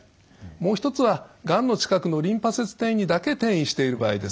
もう一つはがんの近くのリンパ節にだけ転移している場合です。